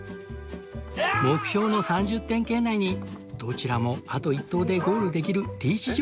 目標の３０点圏内にどちらもあと１投でゴールできるリーチ状態に